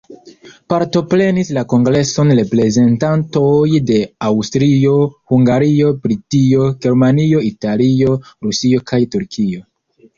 Partoprenis la kongreson reprezentantoj de Aŭstrio-Hungario, Britio, Germanio, Italio, Rusio kaj Turkio.